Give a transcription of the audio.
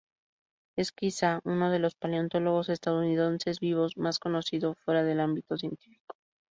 Es quizá uno de los paleontólogos estadounidenses vivos más conocido fuera del ámbito científico.